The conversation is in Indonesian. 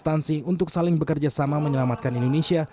seluruh instansi untuk saling bekerjasama menyelamatkan indonesia